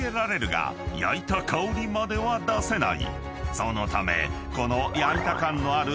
［そのためこの］